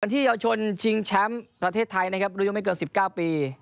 ที่เยาวชนชิงแชมป์ประเทศไทยนะครับอายุยังไม่เกิน๑๙ปี